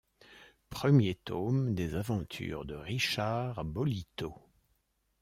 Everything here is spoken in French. Premier tome des aventures de Richard Bolitho.